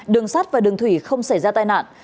đường sát và đường thủy không xảy ra tai nạn